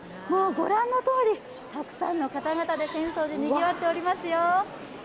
もう御覧のとおりたくさんの方々で浅草寺、賑わっておりますよ。